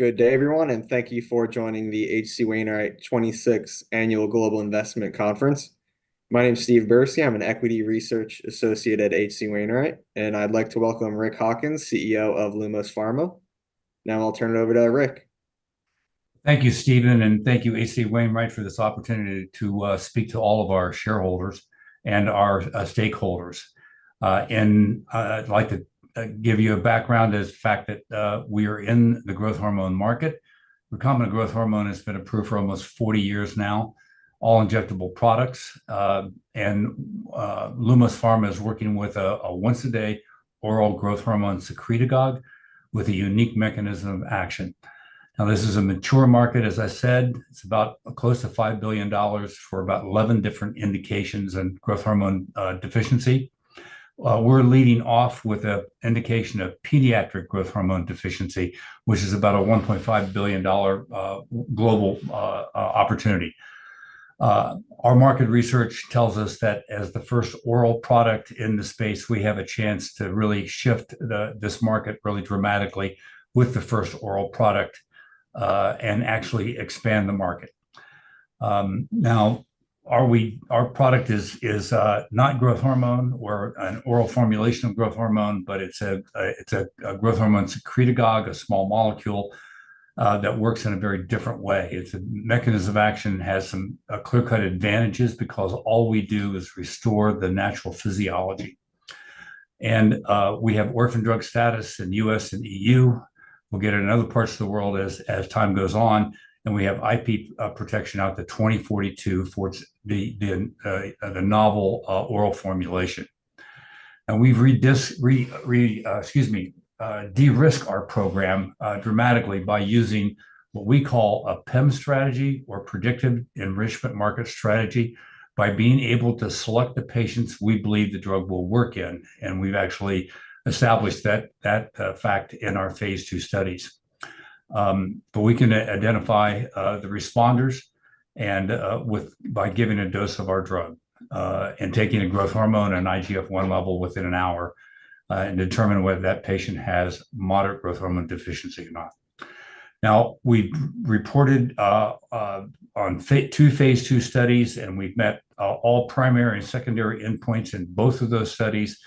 Good day, everyone, and thank you for joining the H.C. Wainwright 26th Annual Global Investment Conference. My name's Steve Bursey. I'm an equity research associate at H.C. Wainwright, and I'd like to welcome Rick Hawkins, CEO of Lumos Pharma. Now I'll turn it over to Rick. Thank you, Steve, and thank you, H.C. Wainwright, for this opportunity to speak to all of our shareholders and our stakeholders, and I'd like to give you a background as the fact that we are in the growth hormone market. Recombinant growth hormone has been approved for almost 40 years now, all injectable products, and Lumos Pharma is working with a once-a-day oral growth hormone secretagogue with a unique mechanism of action. Now, this is a mature market, as I said, it's about close to $5 billion for about 11 different indications and growth hormone deficiency. We're leading off with a indication of pediatric growth hormone deficiency, which is about a $1.5 billion global opportunity. Our market research tells us that as the first oral product in the space, we have a chance to really shift this market really dramatically with the first oral product, and actually expand the market. Our product is not growth hormone or an oral formulation of growth hormone, but it's a growth hormone secretagogue, a small molecule, that works in a very different way. Its mechanism of action has some clear-cut advantages because all we do is restore the natural physiology. We have orphan drug status in US and EU. We'll get it in other parts of the world as time goes on, and we have IP protection out to 2042 for the novel oral formulation. And we've de-risked our program dramatically by using what we call a PEM strategy or Predictive Enrichment Marker strategy, by being able to select the patients we believe the drug will work in, and we've actually established that fact in our phase II studies. But we can identify the responders and by giving a dose of our drug and taking a growth hormone, an IGF-1 level within an hour and determine whether that patient has moderate growth hormone deficiency or not. Now, we've reported on two phase II studies, and we've met all primary and secondary endpoints in both of those studies.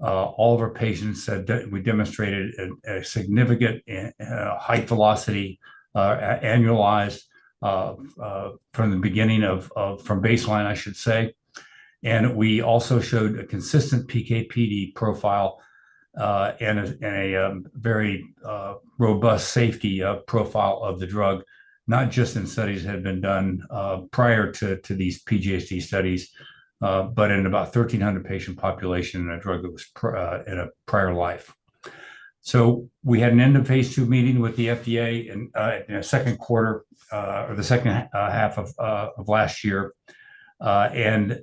We demonstrated a significant annualized height velocity from the beginning of...from baseline, I should say. And we also showed a consistent PK/PD profile, and a very robust safety profile of the drug, not just in studies that had been done prior to these PGHD studies, but in about 1,300 patient population in a drug that was in a prior life. So we had an end-of-phase II meeting with the FDA in the second quarter or the second half of last year. And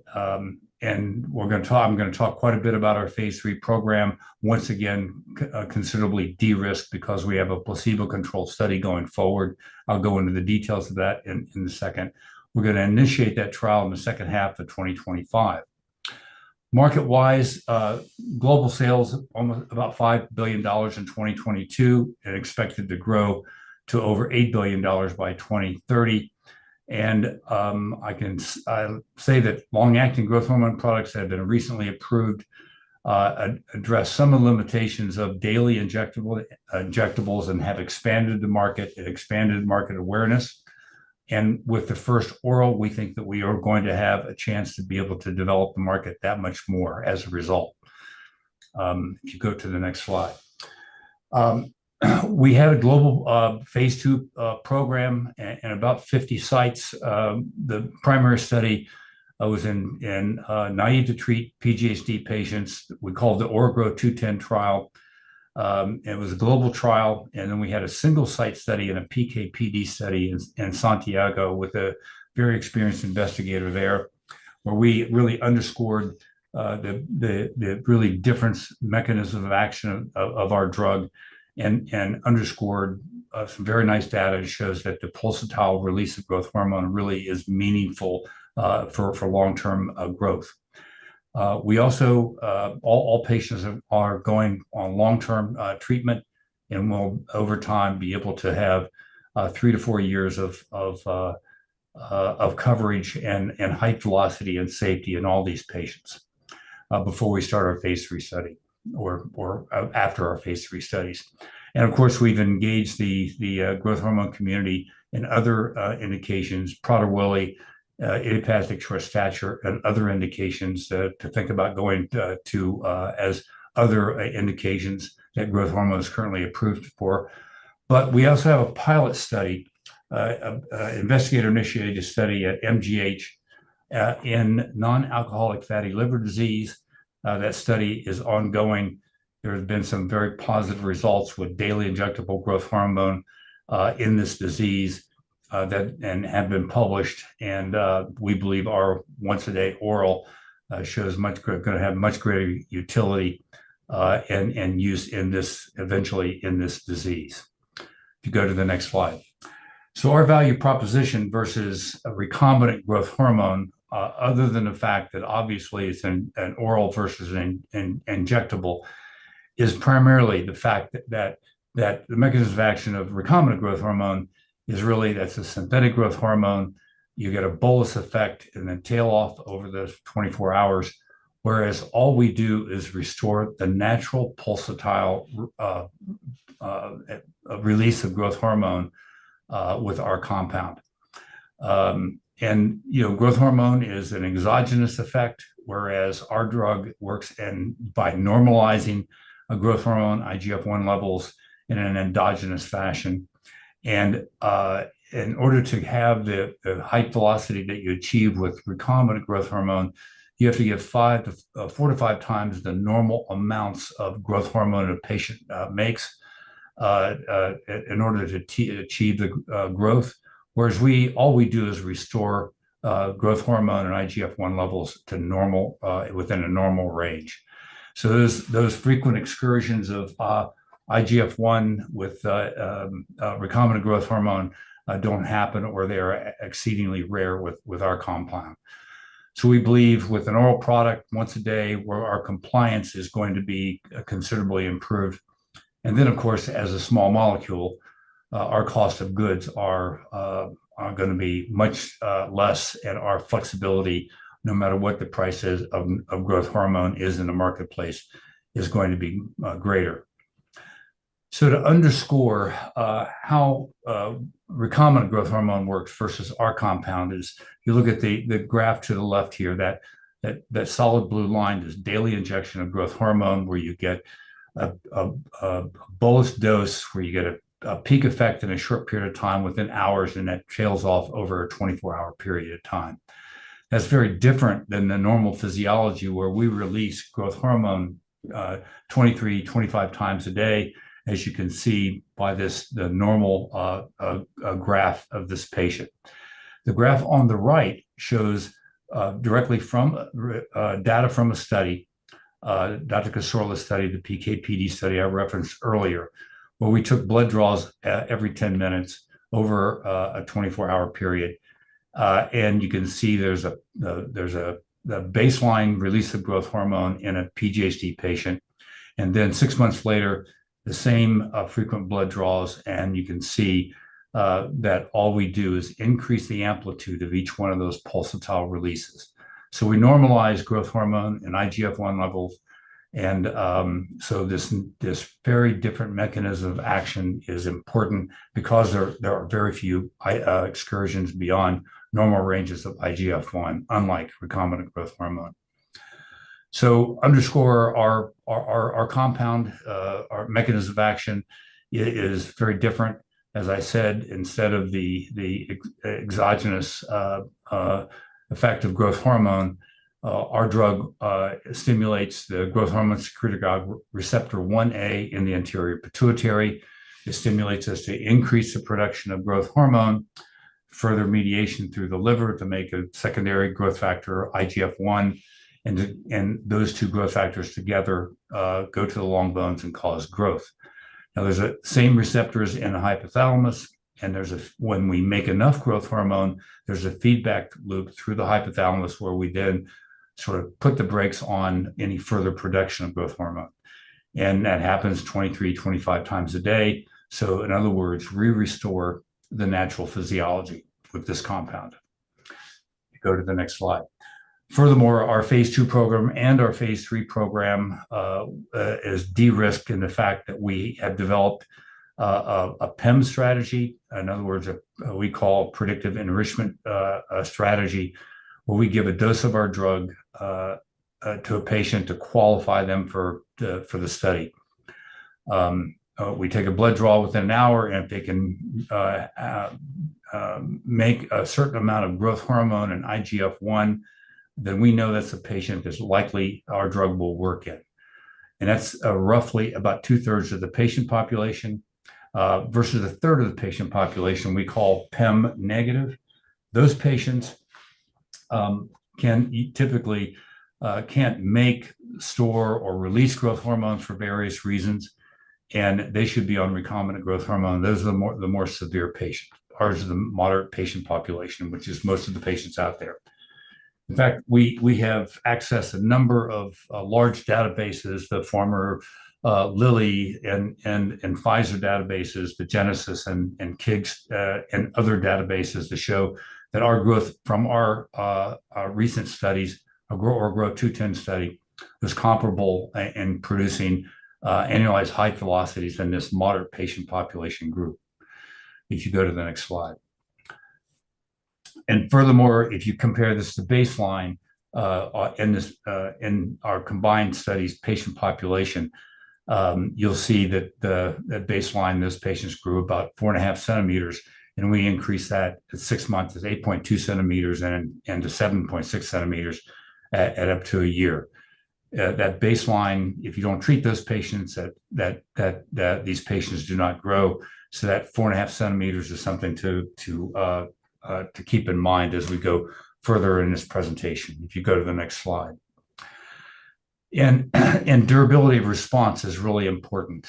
we're gonna talk- I'm gonna talk quite a bit about our phase III program. Once again, considerably de-risked because we have a placebo-controlled study going forward. I'll go into the details of that in a second. We're gonna initiate that trial in the second half of 2025. Market-wise, global sales almost about $5 billion in 2022, and expected to grow to over $8 billion by 2030. I can say that long-acting growth hormone products that have been recently approved address some of the limitations of daily injectables and have expanded the market and expanded market awareness. With the first oral, we think that we are going to have a chance to be able to develop the market that much more as a result. If you go to the next slide. We had a global phase II program in about 50 sites. The primary study was in naive-to-treat PGHD patients, we called the OraGrowtH210 trial. It was a global trial, and then we had a single-site study and a PK/PD study in Santiago with a very experienced investigator there, where we really underscored the really different mechanism of action of our drug, and underscored some very nice data that shows that the pulsatile release of growth hormone really is meaningful for long-term growth. We also all patients are going on long-term treatment, and will, over time, be able to have three to four years of coverage and height velocity and safety in all these patients before we start our phase III study or after our phase III studies. Of course, we've engaged the growth hormone community in other indications, Prader-Willi, idiopathic short stature, and other indications to think about going to as other indications that growth hormone is currently approved for, but we also have a pilot study, an investigator-initiated study at MGH in non-alcoholic fatty liver disease. That study is ongoing. There have been some very positive results with daily injectable growth hormone in this disease that... and have been published, and we believe our once-a-day oral shows much gonna have much greater utility, and use in this eventually in this disease. If you go to the next slide. So our value proposition versus a recombinant growth hormone, other than the fact that obviously it's an oral versus an injectable, is primarily the fact that the mechanism of action of recombinant growth hormone is really, that's a synthetic growth hormone. You get a bolus effect and then tail off over those twenty-four hours, whereas all we do is restore the natural pulsatile release of growth hormone with our compound. And, you know, growth hormone is an exogenous effect, whereas our drug works and by normalizing growth hormone, IGF-1 levels in an endogenous fashion. And, in order to have the height velocity that you achieve with recombinant growth hormone, you have to give four to five times the normal amounts of growth hormone a patient makes, in order to achieve the growth. Whereas we, all we do is restore growth hormone and IGF-1 levels to normal, within a normal range. So those frequent excursions of IGF-1 with recombinant growth hormone don't happen, or they're exceedingly rare with our compound. So we believe with an oral product once a day, where our compliance is going to be considerably improved. And then, of course, as a small molecule, our cost of goods are gonna be much less, and our flexibility, no matter what the price is of growth hormone in the marketplace, is going to be greater. So to underscore how recombinant growth hormone works versus our compound is, you look at the graph to the left here, that solid blue line is daily injection of growth hormone, where you get a bolus dose, where you get a peak effect in a short period of time, within hours, and that trails off over a twenty-four-hour period of time. That's very different than the normal physiology, where we release growth hormone twenty-three, twenty-five times a day, as you can see by this, the normal graph of this patient. The graph on the right shows directly from data from a study, Dr. Cassorla's study, the PK/PD study I referenced earlier, where we took blood draws every 10 minutes over a 24-hour period. And you can see there's the baseline release of growth hormone in a PGHD patient, and then six months later, the same frequent blood draws, and you can see that all we do is increase the amplitude of each one of those pulsatile releases. We normalize growth hormone and IGF-1 levels, and so this very different mechanism of action is important because there are very few excursions beyond normal ranges of IGF-1, unlike recombinant growth hormone. So underscore our compound, our mechanism of action is very different. As I said, instead of the exogenous effect of growth hormone, our drug stimulates the growth hormone secretagogue receptor 1a in the anterior pituitary. It stimulates us to increase the production of growth hormone, further mediation through the liver to make a secondary growth factor, IGF-1, and those two growth factors together go to the long bones and cause growth. Now, there's the same receptors in the hypothalamus, and there's a... When we make enough growth hormone, there's a feedback loop through the hypothalamus, where we then sort of put the brakes on any further production of growth hormone, and that happens twenty-three, twenty-five times a day. So in other words, we restore the natural physiology with this compound. Go to the next slide. Furthermore, our phase II program and our phase III program is de-risked in the fact that we have developed a PEM strategy. In other words, we call predictive enrichment strategy, where we give a dose of our drug to a patient to qualify them for the study. We take a blood draw within an hour, and if they can make a certain amount of growth hormone and IGF-1, then we know that's a patient that likely our drug will work in, and that's roughly about two-thirds of the patient population versus a third of the patient population we call PEM negative. Those patients can typically can't make, store, or release growth hormones for various reasons, and they should be on recombinant growth hormone. Those are the more severe patients. Ours is the moderate patient population, which is most of the patients out there. In fact, we have accessed a number of large databases, the former Eli Lilly and Pfizer databases, the GeNeSIS and KIGS, and other databases, to show that our growth from our recent studies, our Grow 210 study, is comparable in producing annualized height velocities in this moderate patient population group. If you go to the next slide. Furthermore, if you compare this to baseline in our combined studies patient population, you'll see that the baseline, those patients grew about four and a half centimeters, and we increased that to six months, is eight point two centimeters, and to seven point six centimeters at up to a year. That baseline, if you don't treat those patients, these patients do not grow, so that four and a half centimeters is something to keep in mind as we go further in this presentation. If you go to the next slide... durability of response is really important.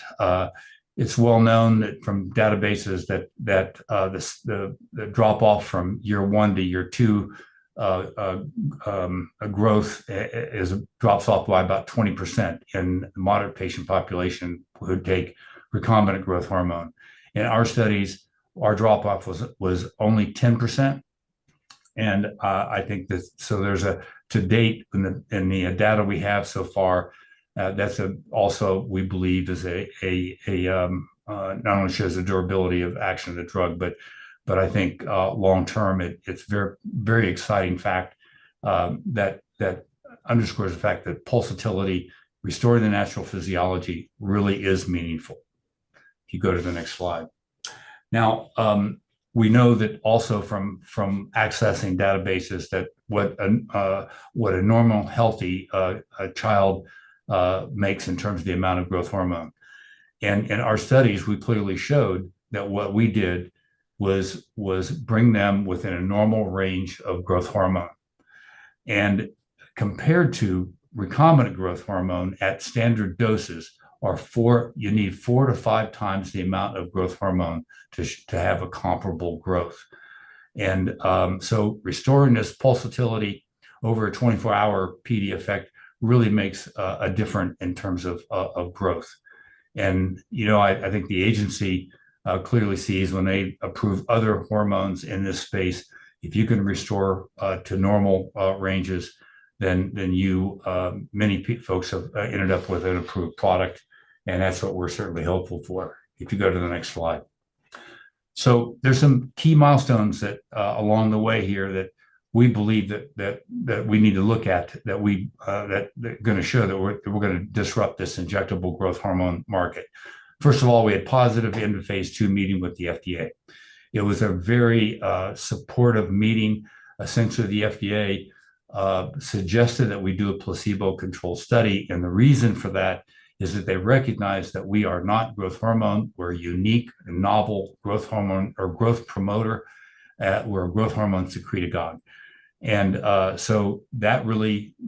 It's well known that from databases the drop-off from year one to year two drops off by about 20% in moderate patient population who take recombinant growth hormone. In our studies, our drop-off was only 10%, and I think that... There's a to date in the data we have so far that's also we believe is a not only shows the durability of action of the drug but I think long-term it's very exciting fact that underscores the fact that pulsatility restoring the natural physiology really is meaningful. If you go to the next slide. Now we know that also from accessing databases that what a normal healthy child makes in terms of the amount of growth hormone. In our studies we clearly showed that what we did was bring them within a normal range of growth hormone. And compared to recombinant growth hormone at standard doses, you need four to five times the amount of growth hormone to have a comparable growth. And so restoring this pulsatility over a twenty-four-hour PD effect really makes a difference in terms of growth. And you know, I think the agency clearly sees when they approve other hormones in this space, if you can restore to normal ranges, then many folks have ended up with an approved product, and that's what we're certainly hopeful for. If you go to the next slide. So there's some key milestones that along the way here that we believe we need to look at that are gonna show that we're gonna disrupt this injectable growth hormone market. First of all, we had positive end of phase II meeting with the FDA. It was a very supportive meeting. Essentially, the FDA suggested that we do a placebo-controlled study, and the reason for that is that they recognize that we are not growth hormone. We're a unique and novel growth hormone or growth promoter, we're a growth hormone secretagogue.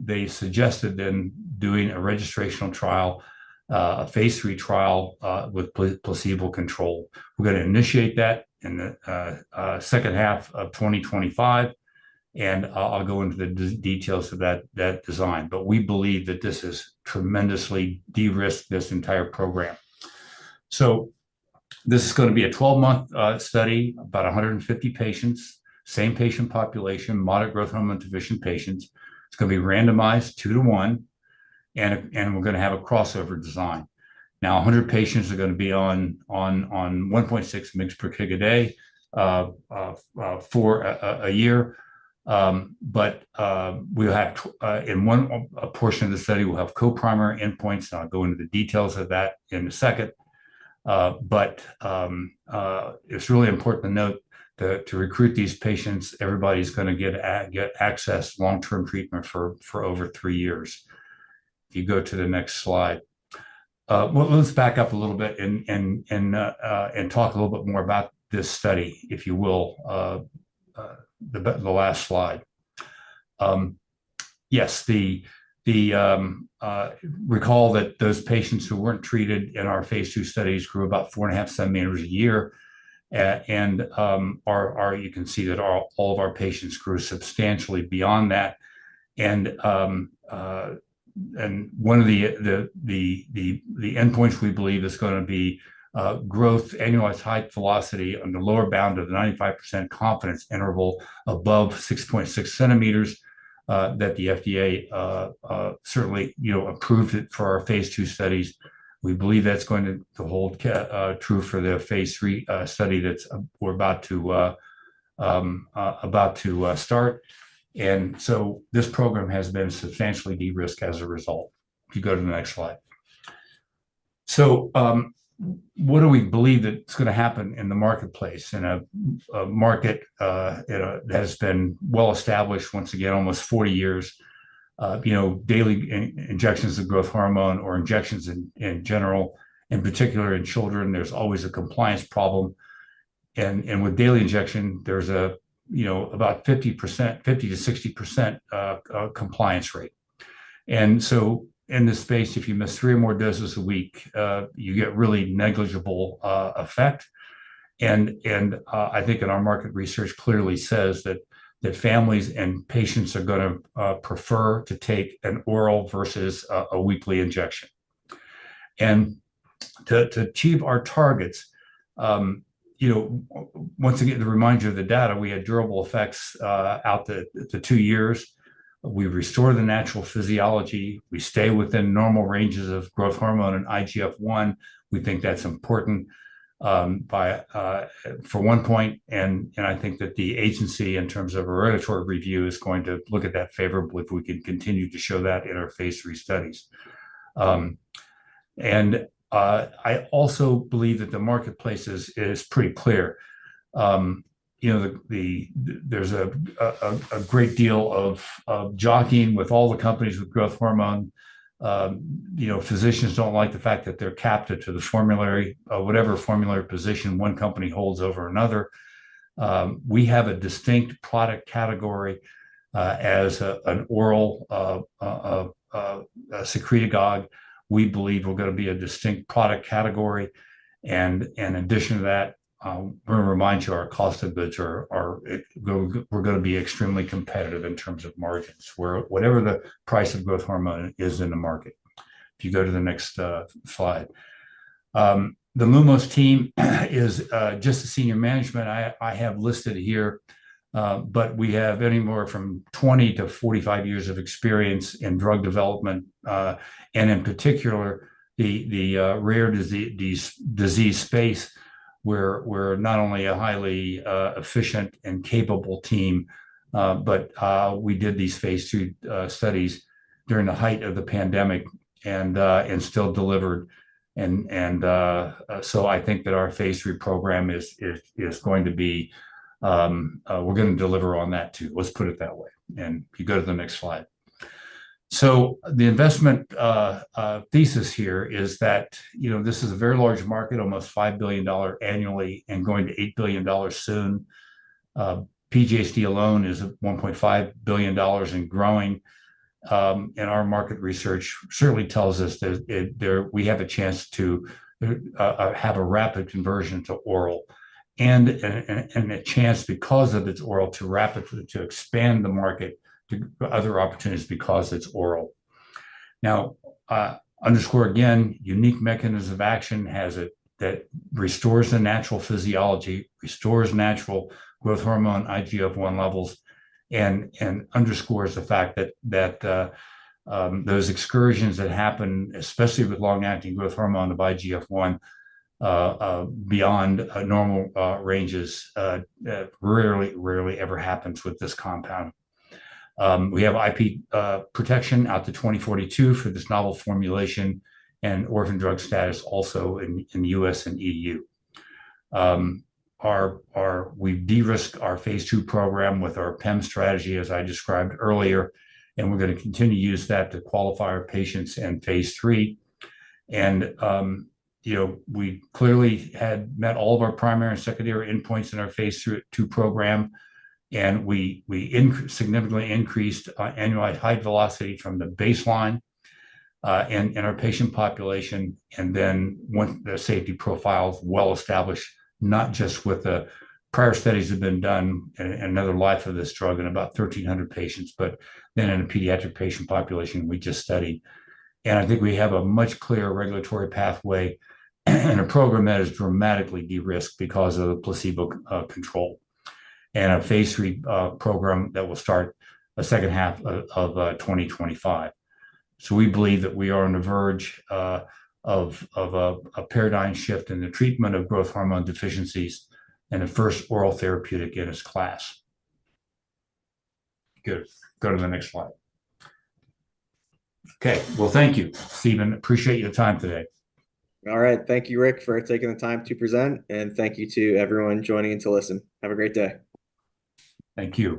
They suggested then doing a registrational trial, a phase III trial, with placebo control. We're gonna initiate that in the second half of 2025, and I'll go into the details of that design, but we believe that this has tremendously de-risked this entire program. This is gonna be a twelve-month study, about 150 patients, same patient population, moderate growth hormone deficient patients. It's gonna be randomized two to one, and we're gonna have a crossover design. Now, 100 patients are gonna be on 1.6 mgs per kg a day for a year. But we'll have in one portion of the study, we'll have co-primary endpoints, and I'll go into the details of that in a second. But it's really important to note that to recruit these patients, everybody's gonna get access to long-term treatment for over three years. If you go to the next slide. Well, let's back up a little bit and talk a little bit more about this study, if you will, the last slide. Yes, the...Recall that those patients who weren't treated in our phase II studies grew about four and a half centimeters a year, and you can see that all of our patients grew substantially beyond that. And one of the endpoints we believe is gonna be growth annualized height velocity on the lower bound of the 95% confidence interval above 6.6 centimeters that the FDA certainly you know approved it for our phase II studies. We believe that's going to hold true for the phase III study that we're about to start. And so this program has been substantially de-risked as a result. If you go to the next slide. So what do we believe that's gonna happen in the marketplace? In a market that has been well established, once again, almost forty years. You know, daily injections of growth hormone or injections in general, in particular in children, there's always a compliance problem. And with daily injection, there's, you know, about 50%, 50%-60% compliance rate. And so in this space, if you miss three or more doses a week, you get really negligible effect. And I think that our market research clearly says that families and patients are gonna prefer to take an oral versus a weekly injection. And to achieve our targets, you know, once again, to remind you of the data, we had durable effects out to two years. We restore the natural physiology. We stay within normal ranges of growth hormone and IGF-1. We think that's important, by for one point, and I think that the agency, in terms of a regulatory review, is going to look at that favorably if we can continue to show that in our phase III studies. And I also believe that the marketplace is pretty clear. You know, the there's a great deal of jockeying with all the companies with growth hormone. You know, physicians don't like the fact that they're captive to the formulary, or whatever formulary position one company holds over another. We have a distinct product category, as an oral secretagogue. We believe we're gonna be a distinct product category, and in addition to that, we're gonna remind you our cost of goods are gonna be extremely competitive in terms of margins, with whatever the price of growth hormone is in the market. If you go to the next slide. The Lumos team is just the senior management I have listed here, but we have anywhere from 20 to 45 years of experience in drug development, and in particular, the rare disease space, we're not only a highly efficient and capable team, but we did these phase II studies during the height of the pandemic and so I think that our phase III program is going to be... We're gonna deliver on that, too. Let's put it that way. If you go to the next slide, the investment thesis here is that, you know, this is a very large market, almost $5 billion annually, and going to $8 billion soon. PGHD alone is at $1.5 billion and growing. Our market research certainly tells us that we have a chance to have a rapid conversion to oral, and a chance, because of its oral, to rapidly expand the market to other opportunities because it's oral. Now, underscore again, unique mechanism of action has it that restores the natural physiology, restores natural growth hormone IGF-1 levels, and underscores the fact that those excursions that happen, especially with long-acting growth hormone by IGF-1, beyond normal ranges, rarely ever happens with this compound. We have IP protection out to 2042 for this novel formulation, and orphan drug status also in the US and EU. We've de-risked our phase two program with our PEM strategy, as I described earlier, and we're gonna continue to use that to qualify our patients in phase three. And, you know, we clearly had met all of our primary and secondary endpoints in our phase II program, and we significantly increased annualized height velocity from the baseline in our patient population. And then once the safety profile is well-established, not just with the prior studies have been done, and in the life of this drug in about 1,300 patients, but then in a pediatric patient population we just studied. And I think we have a much clearer regulatory pathway and a program that is dramatically de-risked because of the placebo control, and a phase 3 program that will start the second half of 2025. So we believe that we are on the verge of a paradigm shift in the treatment of growth hormone deficiencies, and a first oral therapeutic in its class. Good. Go to the next slide. Okay. Well, thank you, Steve. Appreciate your time today. All right. Thank you, Rick, for taking the time to present, and thank you to everyone joining in to listen. Have a great day. Thank you.